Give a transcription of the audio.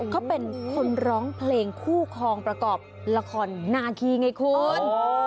เขาเป็นคนร้องเพลงคู่คลองประกอบละครนาคีไงคุณ